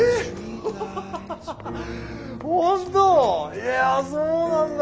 いやそうなんだ。